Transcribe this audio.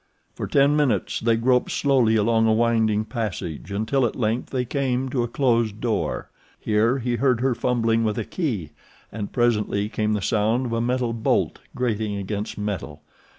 For ten minutes they groped slowly along a winding passage, until at length they came to a closed door. Here he heard her fumbling with a key, and presently came the sound of a metal bolt grating against metal.